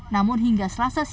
namun hingga selasa segini